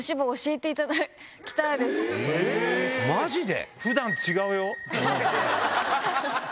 え⁉マジで？